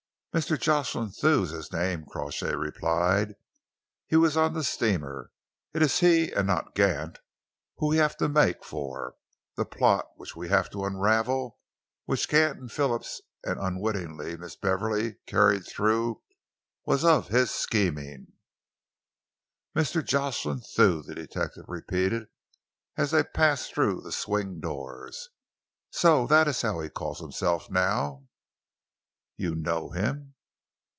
"Mr. Jocelyn Thew is his name," Crawshay replied. "He was on the steamer. It is he, and not Gant, whom we have to make for. The plot which we have to unravel, which Gant and Phillips, and, unwittingly, Miss Beverley carried through, was of his scheming." "Mr. Jocelyn Thew," the detective repeated as they passed through the swing doors. "So that is how he calls himself now!" "You know him?"